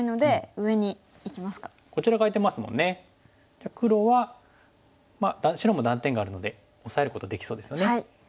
じゃあ黒は白も断点があるのでオサえることできそうですよね。